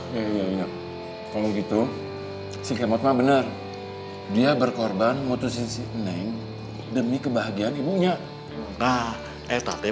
kalau gitu sikemot ma bener dia berkorban motosisi neng demi kebahagiaan ibunya nah